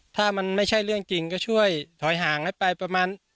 ถ้ามันไม่ใช่เรื่องจริงก็ช่วยถอยห่างให้ไปประมาณ